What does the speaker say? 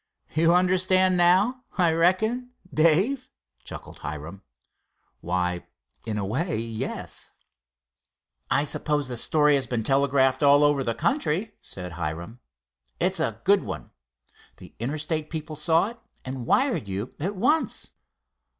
"You understand now, I reckon, Dave?" chuckled Hiram. "Why, in a way, yes." "I suppose the story has been telegraphed all over the country," said Hiram. "It's a good one. The Interstate people saw it, and wired you at once."